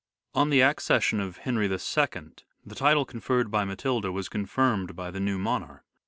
On the accession of Henry II the title conferred by Matilda was confirmed by the new monarch.